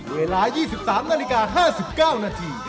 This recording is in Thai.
เวลา๒๓นาฬิกา๕๙นาที